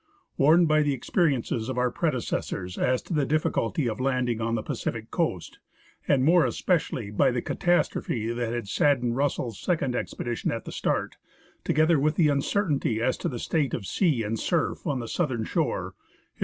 Warned by the experiences of our predecessors as to the difficulty of landing on the Pacific coast, and more especially by the catastrophe that had saddened Russell's second expedition at the start, together with the uncertainty as to the state of sea and surf on the southern shore, H.R.